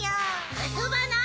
あそばない！